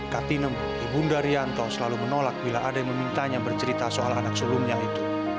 katinem ibunda rianto selalu menolak bila ada yang memintanya bercerita soal anak sulungnya itu